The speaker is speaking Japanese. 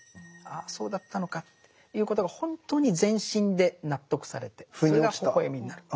あそうだったのかということが本当に全身で納得されてそれがほほえみになる。